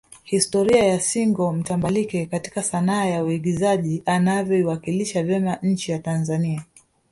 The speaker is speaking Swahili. historia ya single mtambalike katika sanaa ya uingizaji anavyoiwakilisha vyema nchi ya Tanzania